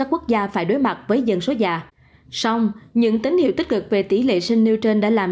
người già phải đối mặt với dân số già những tín hiệu tích cực về tỷ lệ sinh newton đã làm